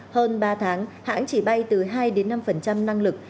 hơn ba tháng hãng chỉ bay từ hai đến năm năng lực